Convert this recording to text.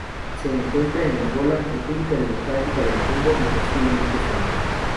Se encuentra en Angola, República Democrática del Congo y posiblemente, Zambia.